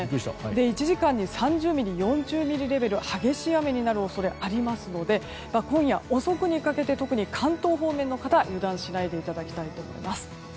１時間に３０ミリ４０ミリレベル激しい雨になる恐れがありますので今夜遅くにかけて特に関東方面の方油断しないでいただきたいと思います。